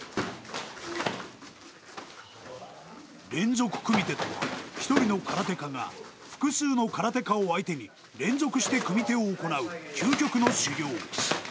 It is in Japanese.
連続組手とは一人の空手家が複数の空手家を相手に連続して組手を行う究極の修行